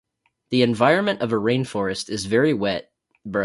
The environment of a rainforest is very wet.